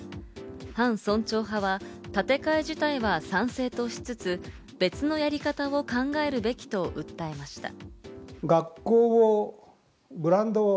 反村長派は建て替え自体は賛成としつつ、別のやり方を考えるべきと訴えました。